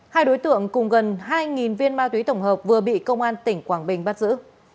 hai đối tượng cùng gần hai viên ma túy tổng hợp vừa bị công an tỉnh quảng bình bắt giữ